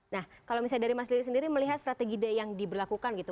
nah kalau misalnya dari mas lili sendiri melihat strategi yang diberlakukan gitu